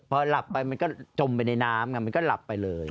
พอหลับไปมันก็จมไปในน้ำไงมันก็หลับไปเลย